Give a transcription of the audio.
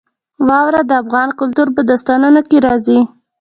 واوره د افغان کلتور په داستانونو کې راځي.